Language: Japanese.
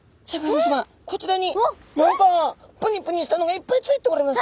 こちらに何かプニプニしたのがいっぱいついておりますね。